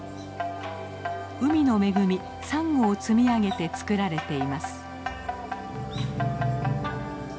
海の恵みサンゴを積み上げて作られています。